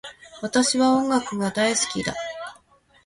私は音楽が大好きだ